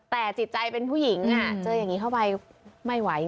แต่จิตใจเป็นผู้หญิงเจออย่างนี้เข้าไปไม่ไหว